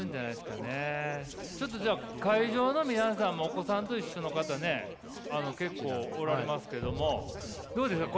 ちょっとじゃあ会場の皆さんもお子さんと一緒の方ね結構おられますけどもどうですか？